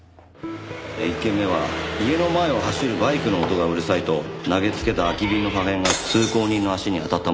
１件目は家の前を走るバイクの音がうるさいと投げつけた空き瓶の破片が通行人の足に当たったものです。